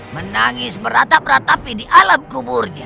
menangis beratap ratapi di alam kuburnya